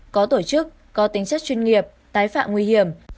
có tổ chức có tính chất chuyên nghiệp tái phạm nguy hiểm